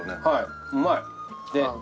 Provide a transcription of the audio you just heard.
はいうまい。